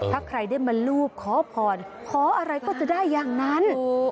ถ้าใครได้มารูปขอพรขออะไรก็จะได้อย่างนั้น